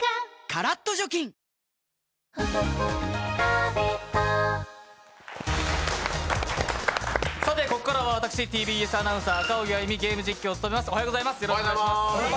カラッと除菌ここからは私、ＴＢＳアナウンサー、赤荻がゲーム実況を務めます。